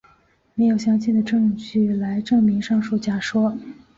没有详尽的证据来证明上述假说。